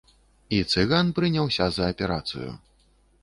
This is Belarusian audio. І цыган прыняўся за аперацыю.